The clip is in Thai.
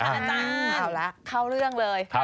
เอาล่ะเข้าเรื่องเลย